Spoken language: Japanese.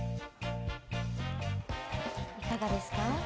いかがですか？